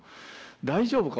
大丈夫か？